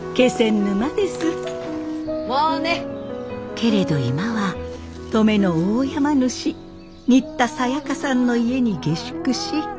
けれど今は登米の大山主新田サヤカさんの家に下宿し。